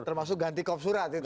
termasuk ganti kopsurat itu